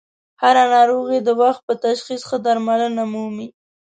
هر ه ناروغي د وخت په تشخیص ښه درملنه مومي.